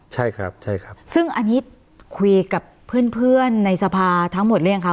ใช่ครับใช่ครับซึ่งอันนี้คุยกับเพื่อนเพื่อนในสภาทั้งหมดหรือยังคะ